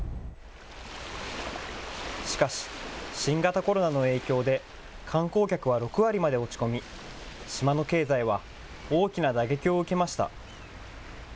しかし、新型コロナの影響で観光客は６割まで落ち込み、島の経済は大きな打撃を受けました。